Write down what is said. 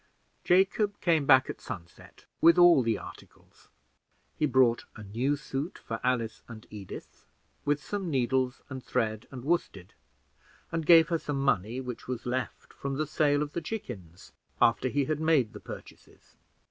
Jacob came back at sunset, with all the articles. He brought a new suit for Alice and Edith, with some needles and thread, and worsted, and gave her some money which was left from the sale of the chickens, after he had made the purchases.